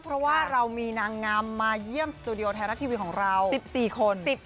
เพราะว่าเรามีนางงามมาเยี่ยมสตูดิโอไทยรัฐทีวีของเรา๑๔คน